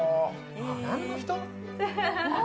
何の人？